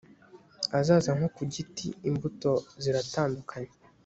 Azaza nko ku giti imbuto ziratandukanye